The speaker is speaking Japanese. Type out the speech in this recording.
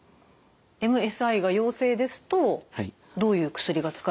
ＭＳＩが陽性ですとどういう薬が使えるんですか？